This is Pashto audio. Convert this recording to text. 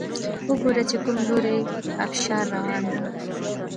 وګوره چې کوم لوری ابشار روان